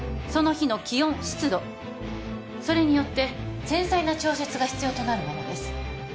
その日の気温湿度それによって繊細な調節が必要となるものです